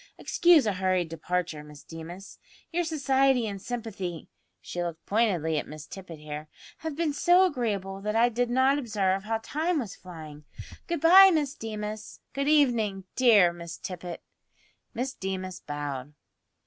"Excuse a hurried departure, Miss Deemas. Your society and sympathy" (she looked pointedly at Miss Tippet here) "have been so agreeable that I did not observe how time was flying. Good bye, Miss Deemas. Good evening, dear Miss Tippet." Miss Deemas bowed.